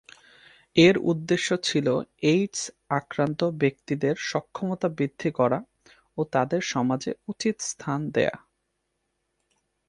এর উদ্দেশ্য ছিল এইডস আক্রান্ত ব্যক্তিদের সক্ষমতা বৃদ্ধি করা ও তাদের সমাজে উচিত স্থান দেওয়া।